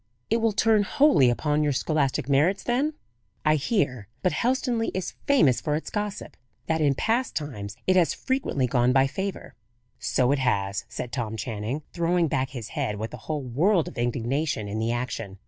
"It will turn wholly upon your scholastic merits, then? I hear but Helstonleigh is famous for its gossip that in past times it has frequently gone by favour." "So it has," said Tom Channing, throwing back his head with a whole world of indignation in the action.